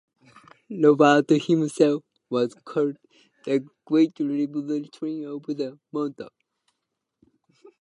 Robert himself was called "The Great Librarian of the Mont".